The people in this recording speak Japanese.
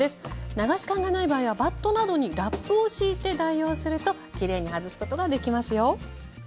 流し函がない場合はバットなどにラップを敷いて代用するときれいに外すことができますよ。